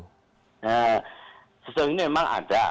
nah sejauh ini memang ada